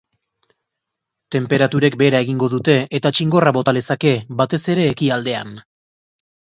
Tenperaturek behera egingo dute eta txingorra bota lezake, batez ere ekialdean.